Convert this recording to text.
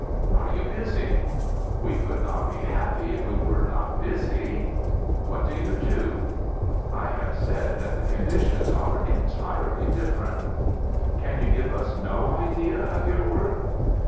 "Are you busy?" "We could not be happy if we were not busy." "What do you do?" "I have said that the conditions are entirely different." "Can you give us no idea of your work?"